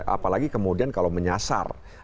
apalagi kemudian kalau menyasar